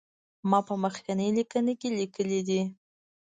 ما په مخکینی لیکنه کې لیکلي دي.